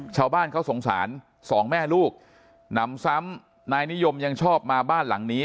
ชาวบ้านเขาสงสารสองแม่ลูกหนำซ้ำนายนิยมยังชอบมาบ้านหลังนี้